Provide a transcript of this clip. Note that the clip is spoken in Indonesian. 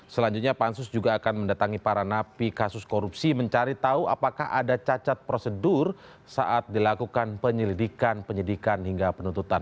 selanjutnya pansus juga akan mendatangi para napi kasus korupsi mencari tahu apakah ada cacat prosedur saat dilakukan penyelidikan penyidikan hingga penuntutan